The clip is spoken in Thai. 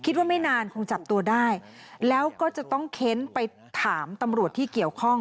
ไม่นานคงจับตัวได้แล้วก็จะต้องเค้นไปถามตำรวจที่เกี่ยวข้อง